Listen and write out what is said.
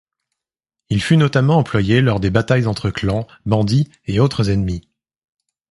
Il fut notamment employé lors des batailles entre clans, bandits et autres ennemis.